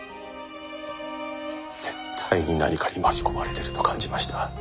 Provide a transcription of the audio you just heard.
絶対に何かに巻き込まれてると感じました。